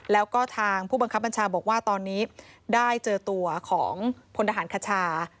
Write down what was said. แล้วก็ทางผู้บังคับบัญชาบอกว่าตอนนี้ได้เจอตัวของพลทหารคชา